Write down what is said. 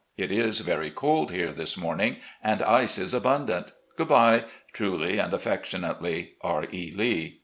It is very cold here this morning, and ice is abundant. Good bye. "Truly and affectionately, "R. E. Lee."